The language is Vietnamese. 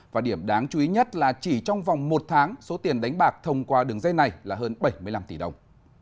và điểm đáng chú ý nhất là chỉ trong vòng một tháng số tiền đánh bạc thông qua đường dây này là hơn bảy mươi năm tỷ đồng